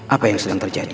apa yang sedang terjadi